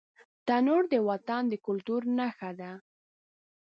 تنور د وطن د کلتور نښه ده